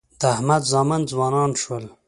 د احمد زامن ځوانان شول.